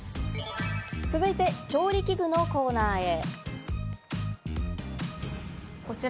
続いて調理器具のコーナーへ。